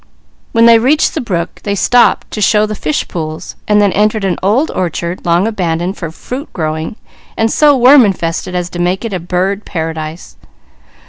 When they reached the brook they stopped to show the fish pools and then entered an old orchard, long abandoned for fruit growing and so worm infested as to make it a bird Paradise.